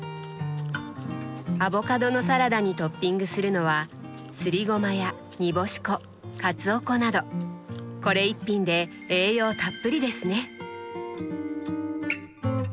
アボカドのサラダにトッピングするのはすりごまやにぼし粉かつお粉などこれ一品で栄養たっぷりですね！